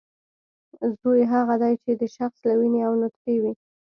زوی هغه دی چې د شخص له وینې او نطفې وي